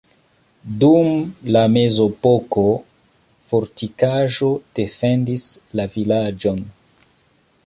Dum la mezepoko fortikaĵo defendis la vilaĝon.